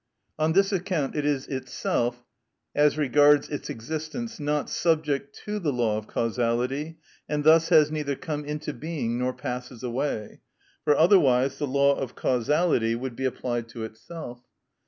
On this account it is itself, as regards its existence, not subject to the law of causality, and thus has neither come into being nor passes away, for otherwise the law of causality would be applied to itself.